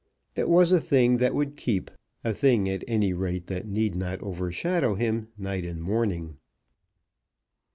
It was a thing that would keep, a thing, at any rate, that need not overshadow him night and morning.